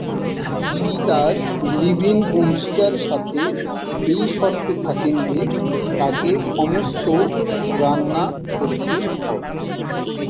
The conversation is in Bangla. তিনি তার লিভ-ইন অংশীদার সাথে এই শর্তে থাকেন যে তাকে সমস্ত রান্না করতে হবে।